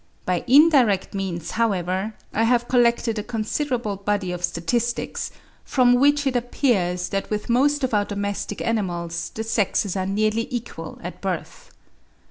By indirect means, however, I have collected a considerable body of statistics, from which it appears that with most of our domestic animals the sexes are nearly equal at birth.